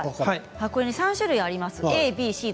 ３種類あります。